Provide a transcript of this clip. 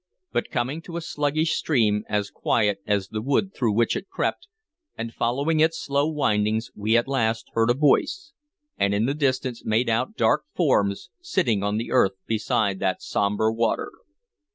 But coming to a sluggish stream, as quiet as the wood through which it crept, and following its slow windings, we at last heard a voice, and in the distance made out dark forms sitting on the earth beside that sombre water.